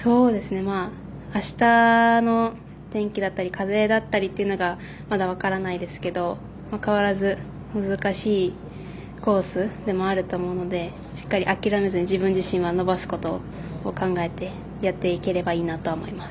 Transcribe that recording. あしたの天気だったり風だったりがまだ分からないですけど変わらず難しいコースでもあると思うのでしっかり諦めずに自分自身は伸ばすことを考えてやっていければいいなと思います。